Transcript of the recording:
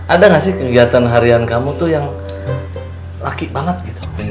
ada gak sih kegiatan harian kamu tuh yang laki banget gitu